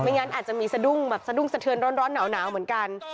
ไม่งั้นอาจจะมีสะดุ้งสะเทือนร้อนหนาวเหมือนกัน